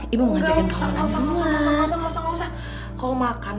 ibu mau ngajakin kawan kawan dulu